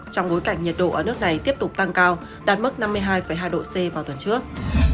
trong bối cảnh nhiệt độ ở nước này tiếp tục tăng cao đạt mức năm mươi hai hai độ c vào tuần trước